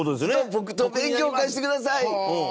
僕と勉強会してください。